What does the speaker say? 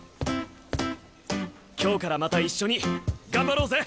今日からまた一緒に頑張ろうぜ！